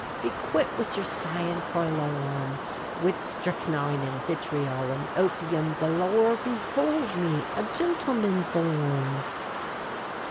Be quit wid yer sighin' forlorn, Wid shtrychnine and vitriol and opium galore, Behould me a gintleman born.